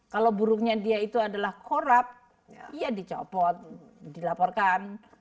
kalau buruknya dia itu adalah korup ya dicopot dilaporkan